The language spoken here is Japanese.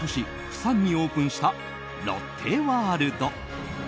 プサンにオープンしたロッテワールド。